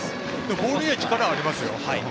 ボールに力がありますよ。